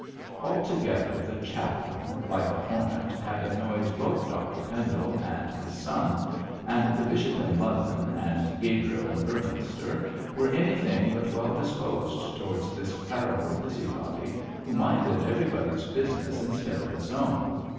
Altogether the chaplain, like a hornet, had annoyed both Dr Pendle and his son; and the bishop in London and Gabriel in Beorminster were anything but well disposed towards this clerical busybody, who minded everyone's business instead of his own.